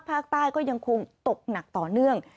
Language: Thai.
ภาคใต้ก็ยังคงตกหนักต่อเนื่อง